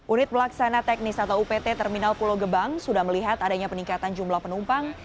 unit pelaksana teknis atau upt terminal pulau gebang sudah melihat adanya peningkatan jumlah penumpang